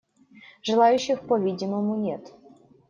Желающих, по-видимому, нет.